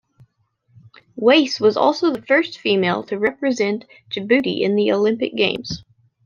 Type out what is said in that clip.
Wais was also the first female to represent Djibouti in the Olympic games.